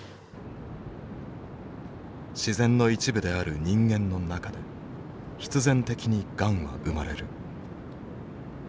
自然の一部である人間の中で必然的にがんは生まれる。